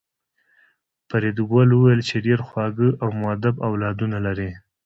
فریدګل وویل چې ډېر خواږه او مودب اولادونه لرې